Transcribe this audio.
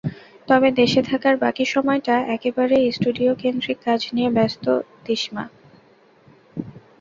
তবে দেশে থাকার বাকি সময়টা একেবারেই স্টুডিওকেন্দ্রিক কাজ নিয়ে ব্যস্ত তিশমা।